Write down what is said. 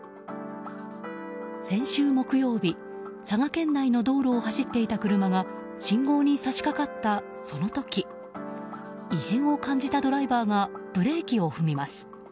先週木曜日佐賀県内の道路を走っていた車が信号に差しかかったその時異変を感じたドライバーがブレーキを踏みます。